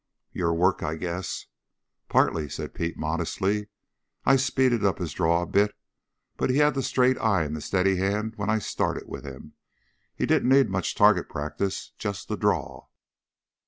"Your work, I guess." "Partly," said Pete modestly. "I speeded his draw up a bit, but he had the straight eye and the steady hand when I started with him. He didn't need much target practice just the draw."